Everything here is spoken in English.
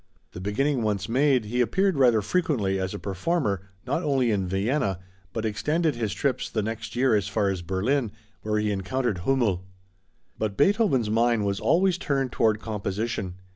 The beginning once made, he appeared rather frequently as a performer, not only in Vienna, but extended his trips the next year as far as Berlin, where he encountered Hümmel. But Beethoven's mind was always turned toward composition.